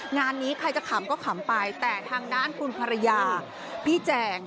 งานนี้ใครจะขำก็ขำไปแต่ทางด้านคุณภรรยาพี่แจง